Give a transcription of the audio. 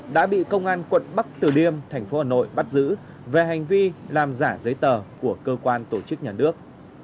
đã bị công an quận bắc tử liêm thành phố hà nội bắt giữ về hành vi làm giả giấy tờ của cơ quan tổ chức nhà nước